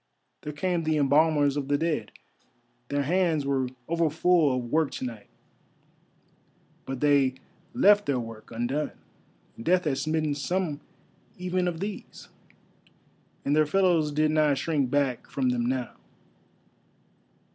There came the embalmers of the Dead; their hands were overfull of work to night, but they left their work undone; Death had smitten some even of these, and their fellows did not shrink back from them now.